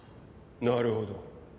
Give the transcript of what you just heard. なるほど。